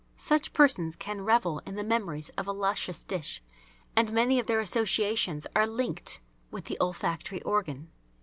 Such persons can revel in the memories of a luscious dish, and many of their associations are linked with the olfactory organ.